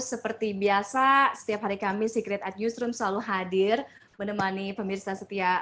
seperti biasa setiap hari kami secret at newsroom selalu hadir menemani pemirsa setia